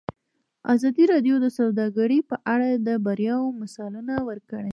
ازادي راډیو د سوداګري په اړه د بریاوو مثالونه ورکړي.